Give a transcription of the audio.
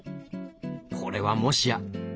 これはもしや。